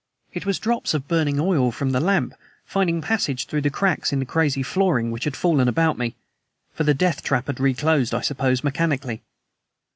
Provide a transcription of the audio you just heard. It was drops of burning oil from the lamp, finding passage through the cracks in the crazy flooring, which had fallen about me for the death trap had reclosed, I suppose, mechanically.